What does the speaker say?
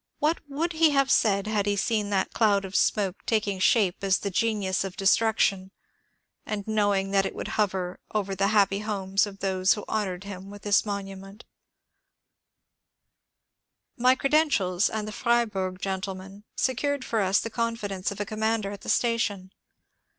What would he have said had he seen that cloud of smoke taking shape as the genius of destruction, and known that it would hover over the happy homes of those who honoured him with this monument ! THE FEMALE TELEGRAPH CORPS 225 My credentials and the Freiburg gentleman secured for us the confidence of a commander at the station.